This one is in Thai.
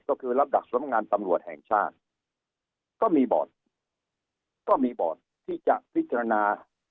ก็คือระดับสลบงานตำรวจแห่งชาติก็มีบอร์ทที่จะพิจารณา